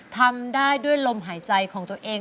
ทำได้ด้วยลมหายใจของตัวเอง